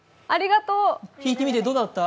弾いてみてどうだった？